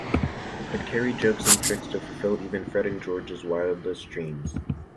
It carried jokes and tricks to fulfill even Fred and George's wildest dreams.